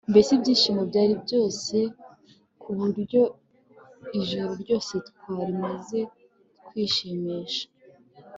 mbese ibyishimo byari byose kuburyo ijoro ryose twarimaze twishimisha